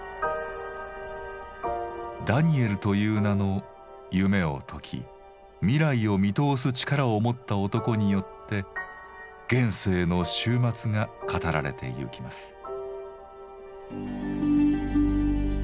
ダニエルという名の夢を解き未来を見通す力をもった男によって現世の終末が語られてゆきます。